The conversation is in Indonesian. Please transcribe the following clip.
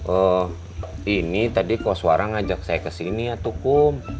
eh ini tadi kos warang ajak saya ke sini ya tukum